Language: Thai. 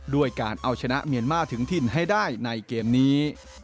ด้วยการเอาชนะเมียนมาร์ถึงถิ่นให้ได้ในเกมนี้